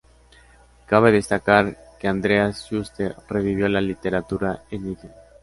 Cabe destacar que Andreas Juste revivió la literatura en ido.